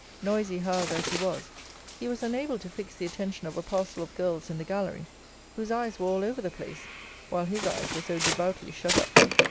Noisy, however, as he was, he was unable to fix the attention of a parcel of girls in the gallery, whose eyes were all over the place, while his eyes were so devoutly shut up.